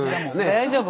大丈夫。